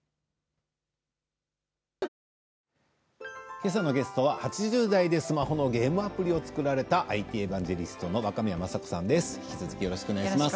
けさのゲストは８０代でスマホのゲームアプリを作られたＩＴエバンジェリストの若宮正子さんです。